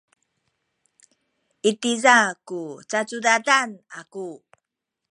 i tiza ku cacudadan aku.